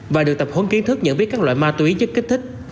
và được tập huấn kiến thức nhận biết các loại ma túy chất kích thích